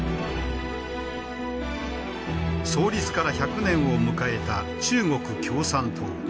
創立から１００年を迎えた中国共産党。